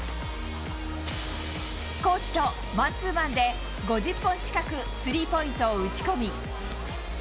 コーチとマンツーマンで５０本近くスリーポイントを打ち込み。